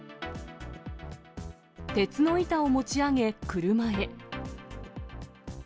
鉄の板を持ち上げ、車へ。